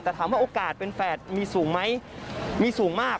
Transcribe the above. แต่ถามว่าโอกาสเป็นแฝดมีสูงไหมมีสูงมาก